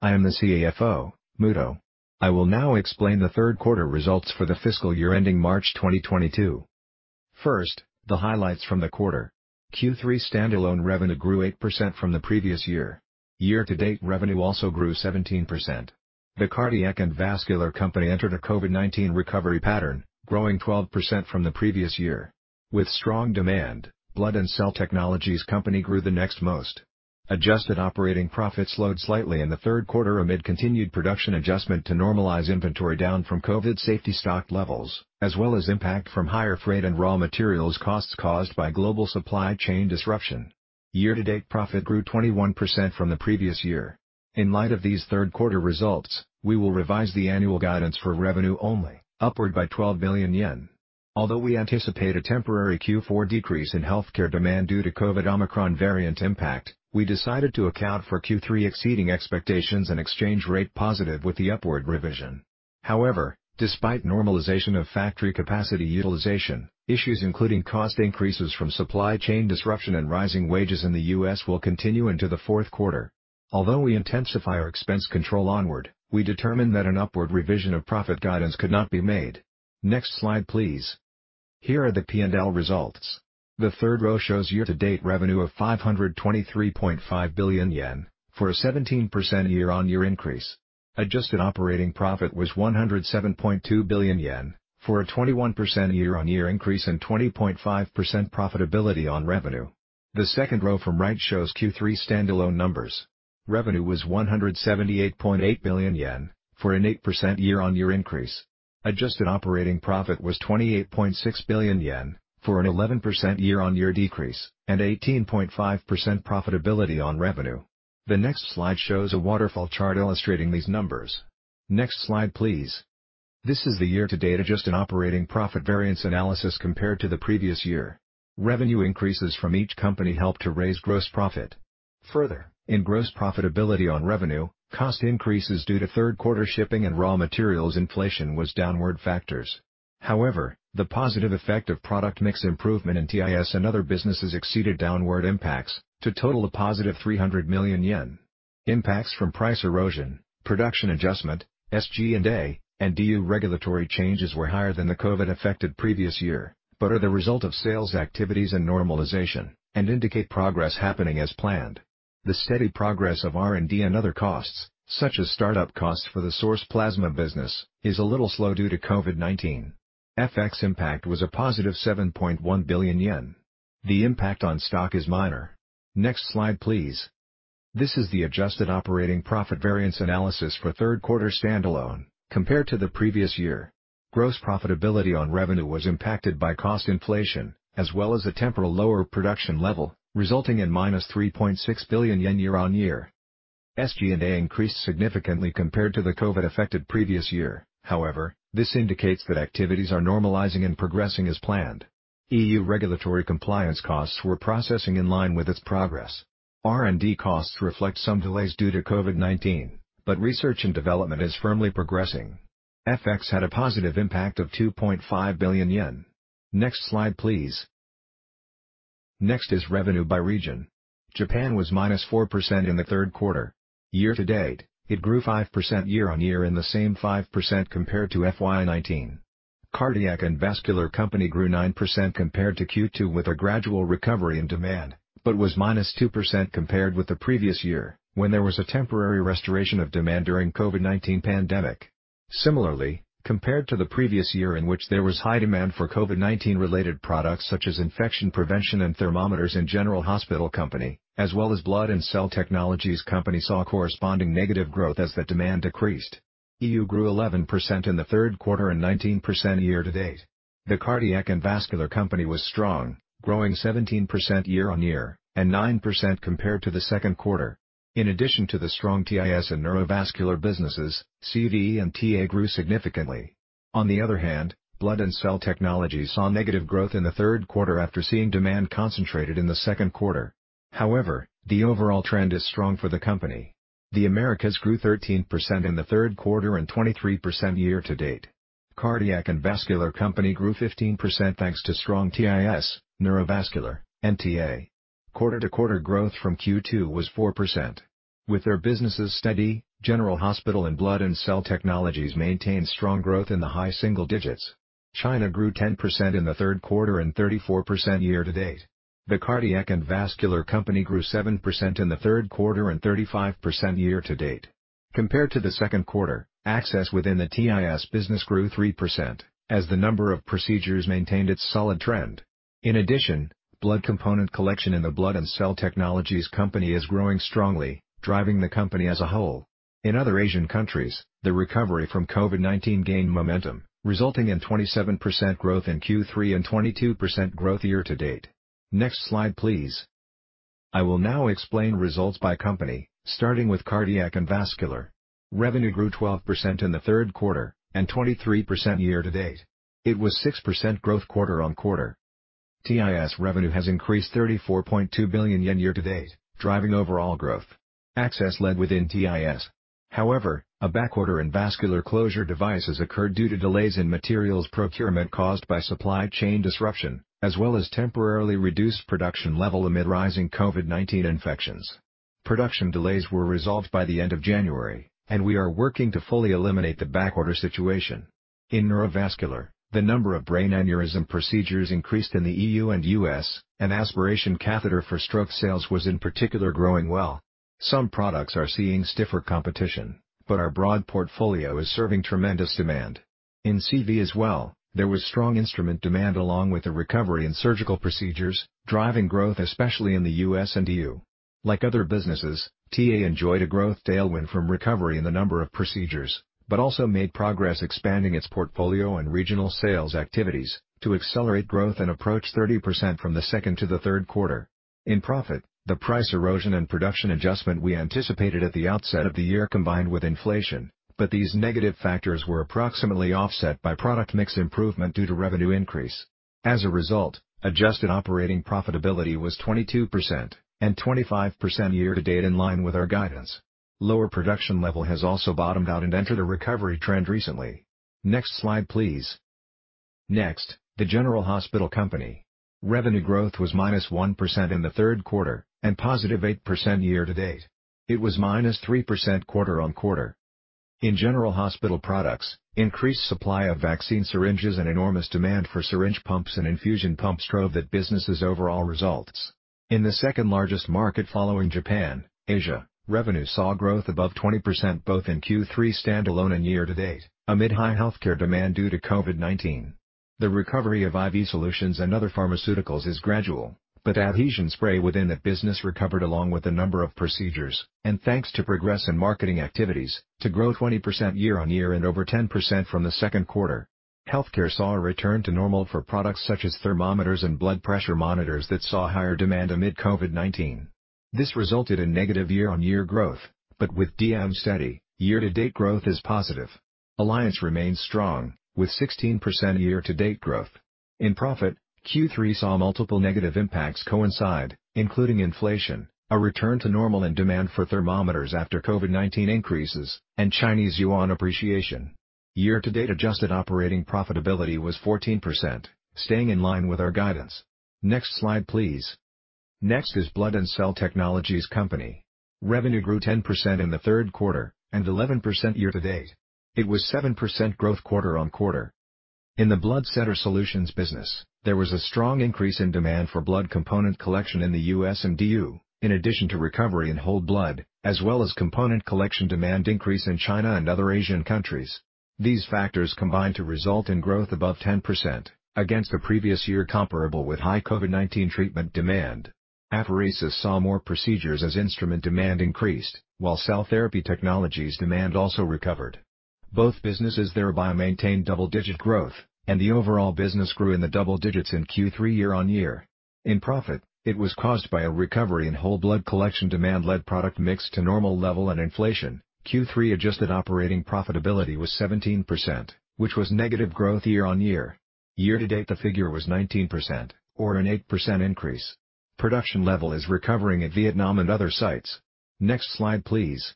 I am the CFO, Muto. I will now explain the Third Quarter Results for the Fiscal Year Ending March 2022. First, the highlights from the quarter. Q3 standalone revenue grew 8% from the previous year. Year-to-date revenue also grew 17%. The Cardiac and Vascular Company entered a COVID-19 recovery pattern, growing 12% from the previous year. With strong demand, Blood and Cell Technologies Company grew the next most. Adjusted operating profit slowed slightly in the third quarter amid continued production adjustment to normalize inventory down from COVID safety stock levels, as well as impact from higher freight and raw materials costs caused by global supply chain disruption. Year-to-date profit grew 21% from the previous year. In light of these third quarter results, we will revise the annual guidance for revenue only upward by 12 billion yen. Although we anticipate a temporary Q4 decrease in healthcare demand due to COVID-19 Omicron variant impact, we decided to account for Q3 exceeding expectations and exchange rate positive with the upward revision. However, despite normalization of factory capacity utilization, issues including cost increases from supply chain disruption and rising wages in the U.S. will continue into the fourth quarter. Although we intensify our expense control onward, we determined that an upward revision of profit guidance could not be made. Next slide, please. Here are the P&L results. The third row shows year-to-date revenue of 523.5 billion yen, for a 17% year-on-year increase. Adjusted operating profit was 107.2 billion yen, for a 21% year-on-year increase and 20.5% profitability on revenue. The second row from right shows Q3 standalone numbers. Revenue was 178.8 billion yen, for an 8% year-on-year increase. Adjusted operating profit was 28.6 billion yen, for an 11% year-on-year decrease and 18.5% profitability on revenue. The next slide shows a waterfall chart illustrating these numbers. Next slide, please. This is the year-to-date adjusted operating profit variance analysis compared to the previous year. Revenue increases from each company helped to raise gross profit. Further, in gross profitability on revenue, cost increases due to third quarter shipping and raw materials inflation was downward factors. However, the positive effect of product mix improvement in TIS and other businesses exceeded downward impacts to total a positive 300 million yen. Impacts from price erosion, production adjustment, SG&A, and EU regulatory changes were higher than the COVID-affected previous year but are the result of sales activities and normalization and indicate progress happening as planned. The steady progress of R&D and other costs, such as start-up costs for the source plasma business, is a little slow due to COVID-19. FX impact was a positive 7.1 billion yen. The impact on stock is minor. Next slide, please. This is the adjusted operating profit variance analysis for third quarter standalone compared to the previous year. Gross profitability on revenue was impacted by cost inflation as well as a temporarily lower production level, resulting in -3.6 billion yen year-on-year. SG&A increased significantly compared to the COVID-affected previous year. However, this indicates that activities are normalizing and progressing as planned. EU regulatory compliance costs were progressing in line with its progress. R&D costs reflect some delays due to COVID-19, but research and development is firmly progressing. FX had a positive impact of 2.5 billion yen. Next slide, please. Next is revenue by region. Japan was -4% in the third quarter. Year-to-date, it grew 5% year-on-year and the same 5% compared to FY 2019. Cardiac and Vascular Company grew 9% compared to Q2 with a gradual recovery in demand, but was -2% compared with the previous year when there was a temporary restoration of demand during COVID-19 pandemic. Similarly, compared to the previous year in which there was high demand for COVID-19 related products such as infection prevention and thermometers in General Hospital Company, as well as Blood and Cell Technologies Company saw corresponding negative growth as that demand decreased. EU grew 11% in the third quarter and 19% year-to-date. The Cardiac and Vascular Company was strong, growing 17% year-over-year and 9% compared to the second quarter. In addition to the strong TIS and neurovascular businesses, CV and TA grew significantly. On the other hand, Blood and Cell Technologies saw negative growth in the third quarter after seeing demand concentrated in the second quarter. However, the overall trend is strong for the company. The Americas grew 13% in the third quarter and 23% year-to-date. Cardiac and Vascular Company grew 15% thanks to strong TIS, neurovascular, and TA. Quarter-over-quarter growth from Q2 was 4%. With their businesses steady, General Hospital and Blood and Cell Technologies maintained strong growth in the high single digits. China grew 10% in the third quarter and 34% year-to-date. The Cardiac and Vascular Company grew 7% in the third quarter and 35% year-to-date. Compared to the second quarter, Access within the TIS business grew 3% as the number of procedures maintained its solid trend. In addition, blood component collection in the Blood and Cell Technologies Company is growing strongly, driving the company as a whole. In other Asian countries, the recovery from COVID-19 gained momentum, resulting in 27% growth in Q3 and 22% year-to-date. Next slide, please. I will now explain results by company, starting with Cardiac and Vascular. Revenue grew 12% in the third quarter and 23% year-to-date. It was 6% growth quarter-on-quarter. TIS revenue has increased 34.2 billion yen year-to-date, driving overall growth. Access led within TIS. However, a backorder in vascular closure devices occurred due to delays in materials procurement caused by supply chain disruption, as well as temporarily reduced production level amid rising COVID-19 infections. Production delays were resolved by the end of January, and we are working to fully eliminate the backorder situation. In neurovascular, the number of brain aneurysm procedures increased in the EU and U.S., and aspiration catheter for stroke sales was in particular growing well. Some products are seeing stiffer competition, but our broad portfolio is serving tremendous demand. In CV as well, there was strong instrument demand along with the recovery in surgical procedures, driving growth especially in the U.S. and EU. Like other businesses, TA enjoyed a growth tailwind from recovery in the number of procedures, but also made progress expanding its portfolio and regional sales activities to accelerate growth and approach 30% from the second to the third quarter. In profit, the price erosion and production adjustment we anticipated at the outset of the year combined with inflation, but these negative factors were approximately offset by product mix improvement due to revenue increase. As a result, adjusted operating profitability was 22% and 25% year-to-date in line with our guidance. Lower production level has also bottomed out and entered a recovery trend recently. Next slide, please. Next, the General Hospital Company. Revenue growth was -1% in the third quarter and +8% year-to-date. It was -3% quarter-on-quarter. In General Hospital products, increased supply of vaccine syringes and enormous demand for syringe pumps and infusion pumps drove that business's overall results. In the second-largest market following Japan, Asia, revenue saw growth above 20% both in Q3 standalone and year-to-date amid high healthcare demand due to COVID-19. The recovery of IV solutions and other pharmaceuticals is gradual, but AdSpray within that business recovered along with the number of procedures and thanks to progress in marketing activities to grow 20% year-over-year and over 10% from the second quarter. Healthcare saw a return to normal for products such as thermometers and blood pressure monitors that saw higher demand amid COVID-19. This resulted in negative year-over-year growth, but with DM steady, year-to-date growth is positive. Alliance remains strong, with 16% year-to-date growth. In profit, Q3 saw multiple negative impacts coincide, including inflation, a return to normal and demand for thermometers after COVID-19 increases, and Chinese yuan appreciation. Year-to-date adjusted operating profitability was 14%, staying in line with our guidance. Next slide, please. Next is Blood and Cell Technologies Company. Revenue grew 10% in the third quarter and 11% year-to-date. It was 7% growth quarter-on-quarter. In the Blood Center Solutions business, there was a strong increase in demand for blood component collection in the U.S. and EU, in addition to recovery in whole blood, as well as component collection demand increase in China and other Asian countries. These factors combined to result in growth above 10% against the previous year comparable with high COVID-19 treatment demand. Apheresis saw more procedures as instrument demand increased, while cell therapy technologies demand also recovered. Both businesses thereby maintained double-digit growth, and the overall business grew in the double digits in Q3 year-on-year. In profit, it was caused by a recovery in whole blood collection demand led product mix to normal level and inflation. Q3 adjusted operating profitability was 17%, which was negative growth year-on-year. Year-to-date, the figure was 19% or an 8% increase. Production level is recovering in Vietnam and other sites. Next slide, please.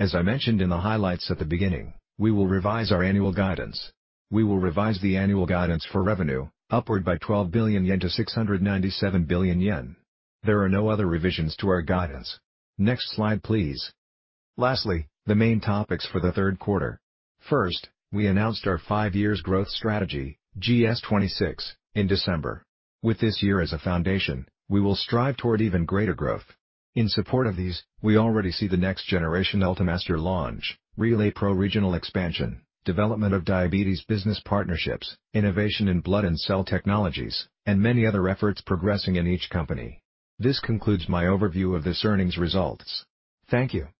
As I mentioned in the highlights at the beginning, we will revise our annual guidance. We will revise the annual guidance for revenue upward by 12 billion-697 billion yen. There are no other revisions to our guidance. Next slide, please. Lastly, the main topics for the third quarter. First, we announced our five year growth strategy, GS26, in December. With this year as a foundation, we will strive toward even greater growth. In support of these, we already see the next-generation Ultimaster launch, RelayPro regional expansion, development of diabetes business partnerships, innovation in Blood and Cell Technologies, and many other efforts progressing in each company. This concludes my overview of this earnings results. Thank you.